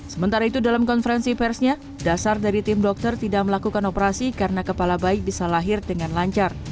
sementara itu dalam konferensi persnya dasar dari tim dokter tidak melakukan operasi karena kepala bayi bisa lahir dengan lancar